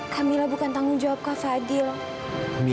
kamila bukan tanggung jawab kak fadhil